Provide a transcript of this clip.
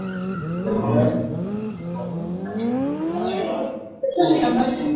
siku ya Alhamis huku maafisa wa Umoja wa Mataifa na Umoja wa Afrika